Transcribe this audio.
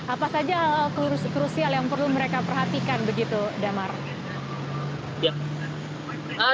apa saja krusial yang perlu mereka perhatikan begitu damar